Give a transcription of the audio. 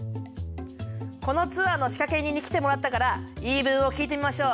このツアーの仕掛け人に来てもらったから言い分を聞いてみましょ。